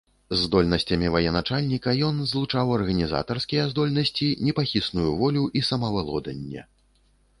З здольнасцямі военачальніка ён злучаў арганізатарскія здольнасці, непахісную волю і самавалоданне.